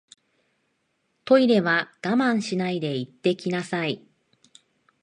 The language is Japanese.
トイレは我慢しないで行ってきなさい